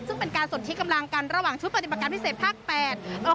ซึ่งเป็นการสนที่กำลังกันระหว่างชุดปฏิบัติการพิเศษภาคแปด